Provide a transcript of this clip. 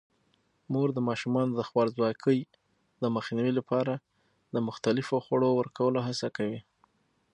مور د ماشومانو د خوارځواکۍ د مخنیوي لپاره د مختلفو خوړو ورکولو هڅه کوي.